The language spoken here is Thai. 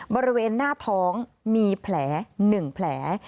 บริเวณหน้าท้องมีแผล๑แผล